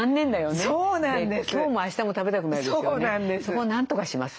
そこをなんとかします。